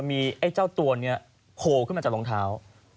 มีไอ้เจ้าตัวนี้โผล่ขึ้นมาจากรองเท้า